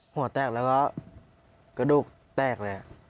หัวแตกแล้วก็กระดูกแตกเลย